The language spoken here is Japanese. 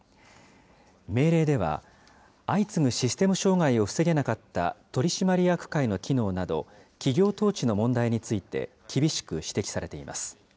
命令では、相次ぐシステム障害を防げなかった取締役会の機能など、企業統治の問題について厳しく指摘されています。